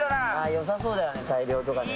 よさそうだよね大漁とかね。